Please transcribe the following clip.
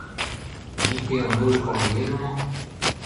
Dit-te eo an holl c'hoarielloù-mañ ?